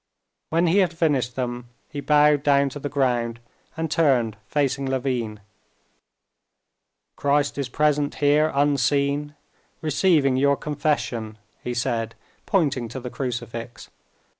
When he had finished them he bowed down to the ground and turned, facing Levin. "Christ is present here unseen, receiving your confession," he said, pointing to the crucifix.